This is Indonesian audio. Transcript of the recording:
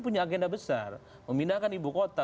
punya agenda besar memindahkan ibu kota